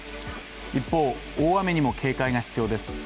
一方、大雨にも警戒が必要です。